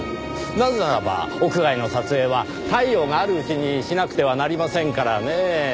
なぜならば屋外の撮影は太陽があるうちにしなくてはなりませんからねぇ。